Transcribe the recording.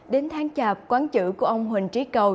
đến tháng chạp quán chữ của ông huỳnh trí cầu